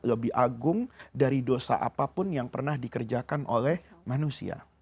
lebih agung dari dosa apapun yang pernah dikerjakan oleh manusia